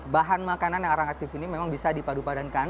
bahan makanan yang arang aktif ini memang bisa dipadu padankan